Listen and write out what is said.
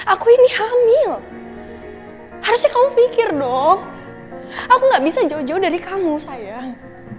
aku ini hamil harusnya kamu pikir dong aku gak bisa jauh jauh dari kamu sayang